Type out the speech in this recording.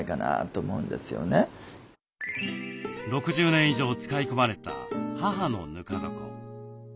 ６０年以上使い込まれた母のぬか床。